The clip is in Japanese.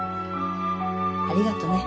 ありがとね。